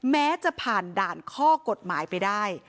แม้จะผ่านด่านข้อกฎหมายไปได้